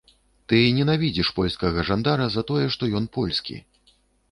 Ты і ненавідзіш польскага жандара за тое, што ён польскі.